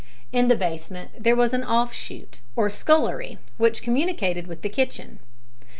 In the basement there was an offshoot, or scullery, which communicated with the kitchen.